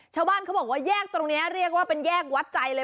ชาวบ้านเขาบอกว่าแยกตรงนี้เรียกว่าเป็นแยกวัดใจเลย